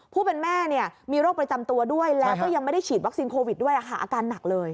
ผู้เป็นแม่มีโรคประจำตัวด้วยแล้วก็ยังไม่ได้ฉีดวัคซีนโควิดด้วยอาการหนักเลย